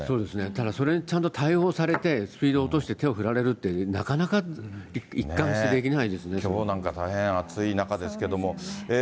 ただそれにちゃんと対応をされて、スピードを落として、手を振られるって、きょうなんか大変暑い中ですけど。